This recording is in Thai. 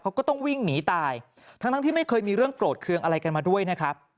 เขาก็ต้องวิ่งหนีตายทั้งทั้งที่ไม่เคยมีเรื่องโกรธเครื่องอะไรกันมาด้วยนะครับ